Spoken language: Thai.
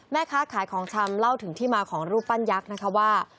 แม่ค้าขายของชำเล่าถึงที่มาของรูปปั้นยักษ์นะคะว่า